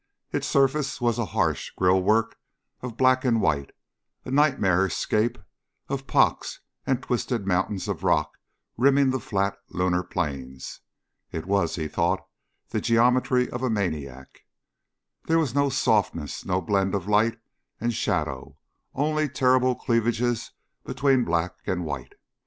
Its surface was a harsh grille work of black and white, a nightmarish scape of pocks and twisted mountains of rock rimming the flat lunar plains. It was, he thought, the geometry of a maniac. There was no softness, no blend of light and shadow, only terrible cleavages between black and white.